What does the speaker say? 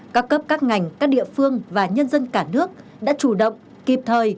các cấp các ngành các địa phương và nhân dân cả nước đã chủ động kịp thời